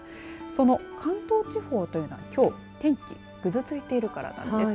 その関東地方というのはきょう、天気ぐずついているからなんです。